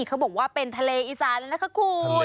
เขาบอกว่าเป็นทะเลอีสานนะคะคุณ